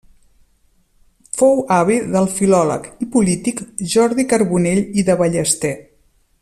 Fou avi del filòleg i polític Jordi Carbonell i de Ballester.